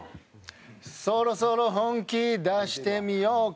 「そろそろ本気だしてみようかな」